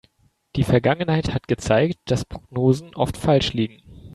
Die Vergangenheit hat gezeigt, dass Prognosen oft falsch liegen.